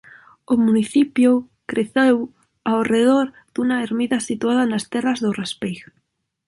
O municipio creceu ao redor dunha ermida situada nas terras do Raspeig.